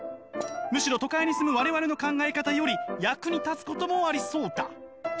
むしろ都会に住む我々の考え方より役に立つこともありそうだ」。